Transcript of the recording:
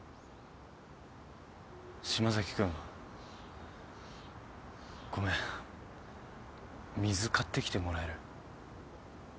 島崎君ごめん水買ってきてもらえる？